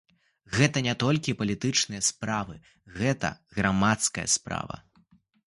Гэта не толькі палітычная справа, гэта грамадская справа.